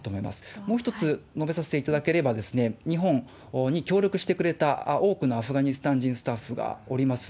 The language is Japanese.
もう一つ述べさせていただければ、日本に協力してくれた多くのアフガニスタン人スタッフがおります。